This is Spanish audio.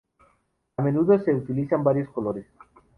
A menudo se utilizan varios colores.